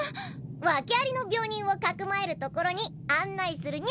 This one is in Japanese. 訳ありの病人をかくまえる所に案内するニャ。